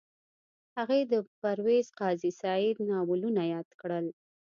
هغې د پرویز قاضي سعید ناولونه یاد کړل